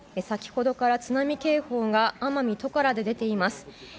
先ほどから津波警報が奄美トカラで出ています。